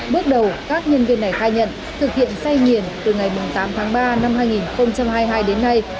bước đầu các nhân viên này khai nhận thực hiện sayền từ ngày tám tháng ba năm hai nghìn hai mươi hai đến nay